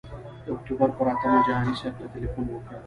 د اکتوبر پر اتمه جهاني صاحب ته تیلفون وکړ.